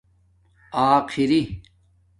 آخری